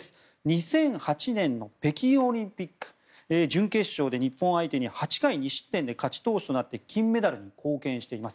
２００８年の北京オリンピック準決勝で日本相手に８回２失点で勝ち投手となって金メダルに貢献しています。